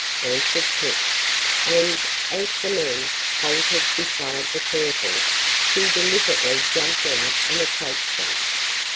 answered Clip, and, as the men halted beside the Turtle, she deliberately jumped out and approached them.